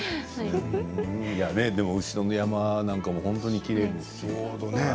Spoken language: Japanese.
後ろの山なんかも本当にきれいですね。